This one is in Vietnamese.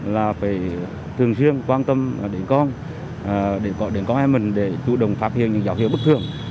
là phải thường xuyên quan tâm đến con em mình để chủ động phát hiện những dạo hiệu bất thường